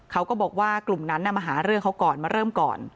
เขาก็บอกว่ากลุ่มนั้นมาหาเรื่องเขาก่อนมาเริ่มก่อน